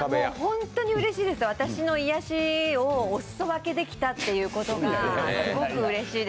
ホントにうれしいです、私の癒やしをお裾分けできたことがすごくうれしいです。